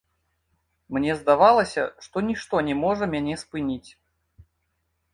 Мне здавалася, што нішто не зможа мяне спыніць.